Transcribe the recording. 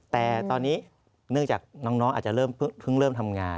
แต่ตอนนี้เนื่องจากน้องอาจจะเริ่มเพิ่งเริ่มทำงาน